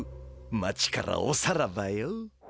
町からおさらばよ。